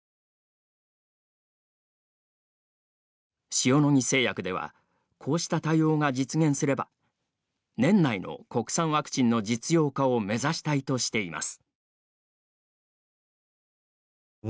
塩野義製薬ではこうした対応が実現すれば年内の国産ワクチンの実用化を目指したいとしています。